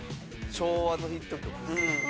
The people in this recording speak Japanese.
昭和のヒット曲。